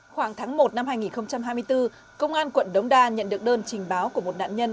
khoảng tháng một năm hai nghìn hai mươi bốn công an quận đống đa nhận được đơn trình báo của một nạn nhân